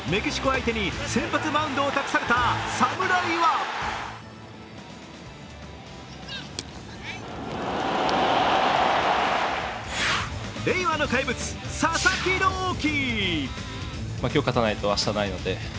相手に先発マウンドを託された侍は令和の怪物・佐々木朗希。